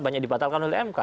banyak dibatalkan oleh mk